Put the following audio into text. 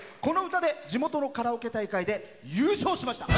この歌で地元のカラオケ大会で優勝しました。